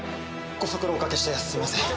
ご足労おかけしてすみません。